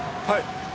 はい。